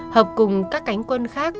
hợp cùng các cánh quân khác